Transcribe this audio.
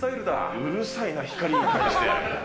うるさいな、光に対して。